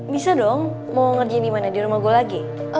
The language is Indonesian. bisa dong mau ngerjain dimana di rumah gue lagi